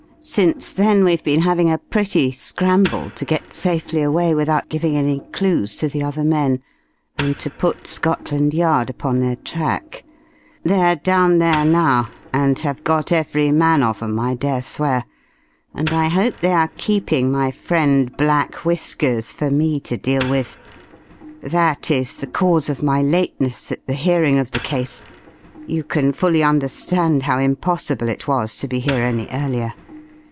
Since then we've been having a pretty scramble to get safely away without giving any clues to the other men, and to put Scotland Yard upon their track. They're down there now, and have got every man of 'em I dare swear (and I hope they are keeping my friend Black Whiskers for me to deal with). That is the cause of my lateness at the hearing of the case. You can fully understand how impossible it was to be here any earlier."